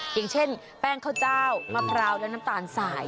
อย่างเช่นแป้งข้าวเจ้ามะพร้าวและน้ำตาลสาย